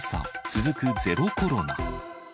続くゼロコロナ。